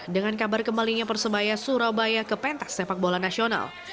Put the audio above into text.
dengan kabar kembalinya persebaya surabaya ke pentas sepak bola nasional